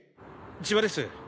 千葉です。